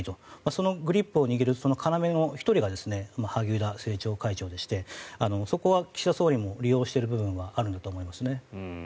そのグリップを握る要の１人が萩生田政調会長でしてそこは岸田総理も利用している部分はあるんだと思いますね。